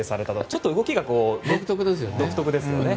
ちょっと動きが独特ですよね。